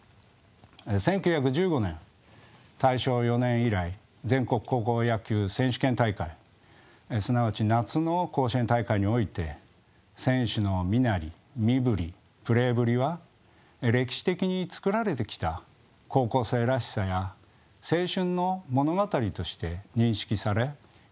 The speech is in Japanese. １９１５年大正４年以来全国高校野球選手権大会すなわち「夏の甲子園大会」において選手の身なり身ぶりプレーぶりは歴史的につくられてきた「高校生らしさ」や「青春」の物語として認識され記憶化されてきました。